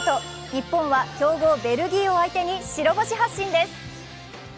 日本は、強豪ベルギーを相手に白星発進です。